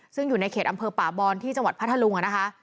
ซึ่งอยู่ในเขตอำเภอป่าบอนที่จังหวัดพัทธลุงนะคะ